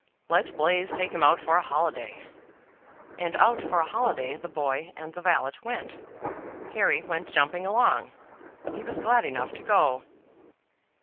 "Let Blaise take him out for a holiday," and out for a holiday the boy and the valet went. Harry went jumping along; he was glad enough to go.